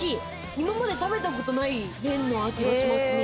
今まで食べたことない麺の味がしますね。